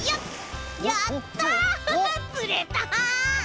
やった！つれた！